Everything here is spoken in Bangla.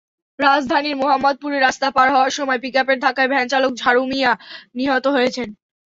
রাজধানীর মোহাম্মদপুরে রাস্তা পার হওয়ার সময় পিকআপের ধাক্কায় ভ্যানচালক ঝাড়ু মিয়া নিহত হয়েছেন।